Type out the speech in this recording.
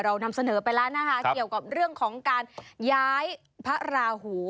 นำเสนอไปแล้วนะคะเกี่ยวกับเรื่องของการย้ายพระราหู